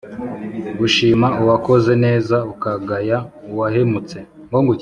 gushima uwakoze neza ukagaya uwahemutse